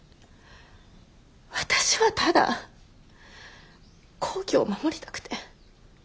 私はただ幸希を守りたくて。